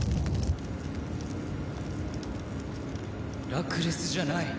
ラクレスじゃない。